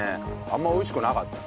あんま美味しくなかった。